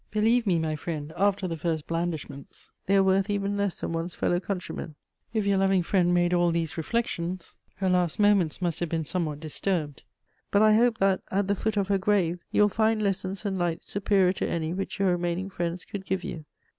Believe me, my friend, after the first blandishments, they are worth even less than one's fellow countrymen. If your loving friend made all these reflections, her last moments must have been somewhat disturbed; but I hope that, at the foot of her grave, you will find lessons and lights superior to any which your remaining friends could give you.